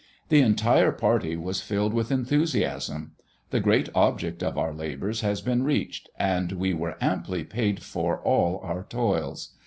The entire party was filled with enthusiasm. The great object of our labors has been reached, and we were amply paid for all our toils.